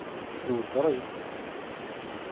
Iweddeṛ-it?